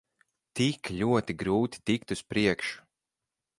Tik ļoti grūti tikt uz priekšu.